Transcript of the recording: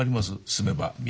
「住めば都」。